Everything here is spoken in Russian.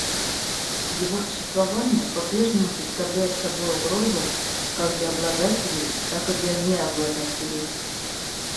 Его существование по-прежнему представляет собой угрозу как для обладателей, так и для необладателей.